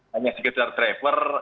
hanya sekedar driver